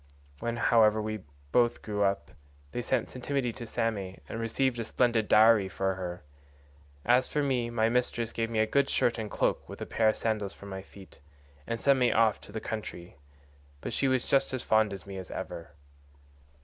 When, however, we both grew up, they sent Ctimene to Same and received a splendid dowry for her. As for me, my mistress gave me a good shirt and cloak with a pair of sandals for my feet, and sent me off into the country, but she was just as fond of me as ever.